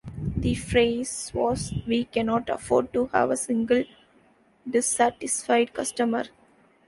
The phrase was, "We Cannot Afford To Have A Single Dissatisfied Customer".